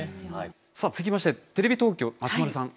さあ続きましてテレビ東京松丸さん。